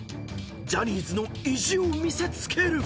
［ジャニーズの意地を見せつける］